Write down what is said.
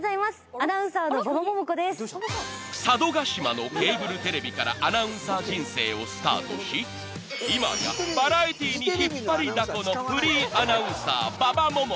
［佐渡島のケーブルテレビからアナウンサー人生をスタートし今やバラエティーに引っ張りだこの］